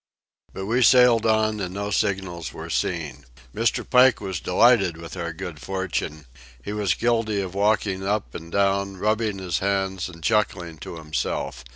But we sailed on, and no signals were seen. Mr. Pike was delighted with our good fortune. He was guilty of walking up and down, rubbing his hands and chuckling to himself.